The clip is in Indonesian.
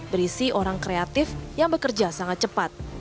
berisi orang kreatif yang bekerja sangat cepat